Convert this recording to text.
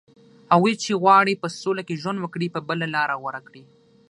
هغوی چې غواړي په سوله کې ژوند وکړي، به بله لاره غوره کړي